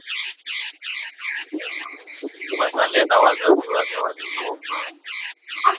Watetela wazazi wake walikuwa François Tolenga Otetshima na Julienne Wamato Lomendja ambao walikuwa wafugaji